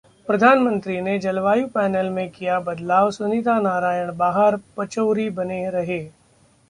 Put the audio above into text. प्रधानमंत्री ने जलवायु पैनल में किया बदलाव, सुनीता नारायण बाहर, पचौरी बने रहे